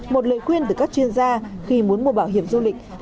một lời khuyên từ các chuyên gia khi muốn mua bảo hiểm du lịch